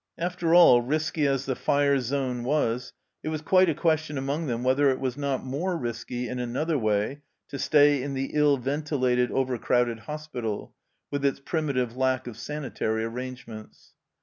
After all, risky as the fire zone was, it was quite a question among them whether it was not more risky in another way to stay in the ill ventilated, over crowded hospital, with its primitive lack of sanitary arrange ments.